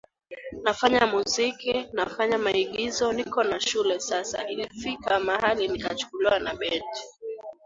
nafanya muziki nafanya maigizo niko na shule sasa ilifika mahali nikachukuliwa na bendi